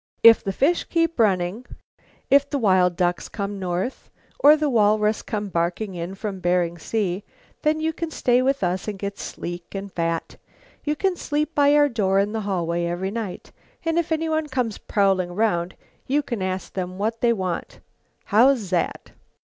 "If the fish keep running, if the wild ducks come north, or the walrus come barking in from Bering Sea, then you can stay with us and get sleek and fat. You can sleep by our door in the hallway every night, and if anyone comes prowling around, you can ask them what they want. How's zat?"